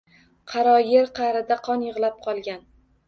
Qaro yer qa’rida qon yig’lab qolgan